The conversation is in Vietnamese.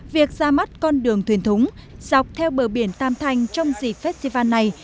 việc ra mắt con đường thuyền thúng dọc theo bờ biển tam thanh trong dịp festival này